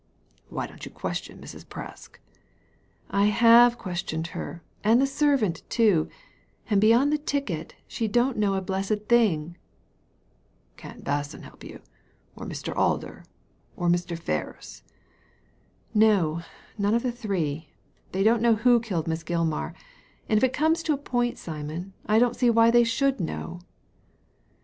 Why don't you question Mrs. Presk ?"^ I have questioned her, and the servant too ; and beyond the ticket, she don't know a blessed thing." Can't Basson help you, or Mr. Alder, or Mr. Ferris?" '*No, none of the three; they don't know who killed Miss Gilmar, and if it comes to a point, Simon, I don't see why they should know."